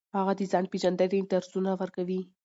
هغه د ځان پیژندنې درسونه ورکوي.